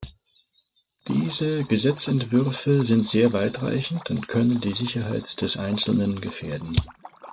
Diese Gesetzentwürfe sind sehr weitreichend und können die Sicherheit des Einzelnen gefährden.